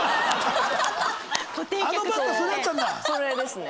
それですね。